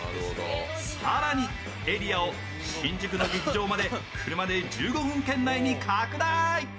更にエリアを新宿の劇場まで車で１５分圏内に拡大。